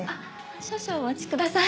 少々お待ちください。